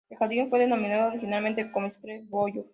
El jardín fue denominado originalmente como "Sleepy Hollow".